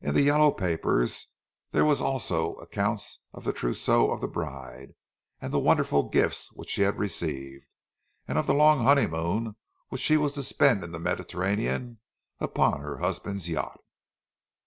In the "yellow" papers there were also accounts of the trousseau of the bride, and of the wonderful gifts which she had received, and of the long honeymoon which she was to spend in the Mediterranean upon her husband's yacht.